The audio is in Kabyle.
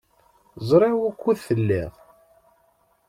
Ẓriɣ wukud telliḍ.